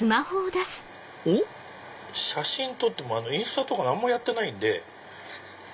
おっ⁉写真撮ってもインスタとか何もやってないんで。